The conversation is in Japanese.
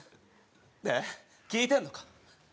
ねえ聞いてんのか？